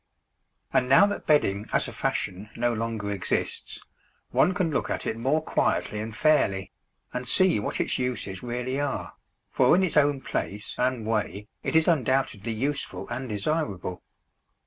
And now that bedding as a fashion no longer exists, one can look at it more quietly and fairly, and see what its uses really are, for in its own place and way it is undoubtedly useful and desirable.